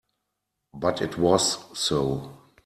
But it was so.